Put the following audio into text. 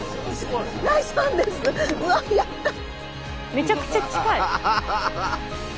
めちゃくちゃ近い。